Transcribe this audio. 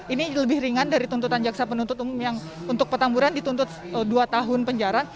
ini lebih ringan dari tuntutan jaksa penuntut umum yang untuk petamburan dituntut dua tahun penjara